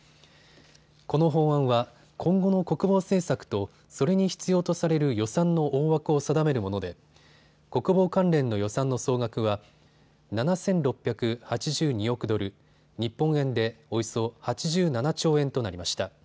この法案は今後の国防政策とそれに必要とされる予算の大枠を定めるもので国防関連の予算の総額は７６８２億ドル、日本円でおよそ８７兆円となりました。